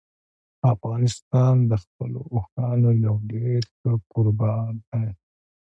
افغانستان د خپلو اوښانو یو ډېر ښه کوربه دی.